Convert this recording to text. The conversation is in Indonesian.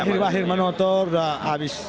akhir akhir manortor sudah habis